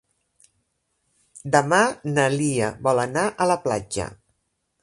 Demà na Lia vol anar a la platja.